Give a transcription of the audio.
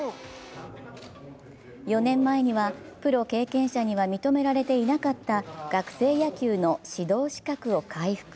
４年前には、プロ経験者には認められていなかった、学生野球の指導資格を回復。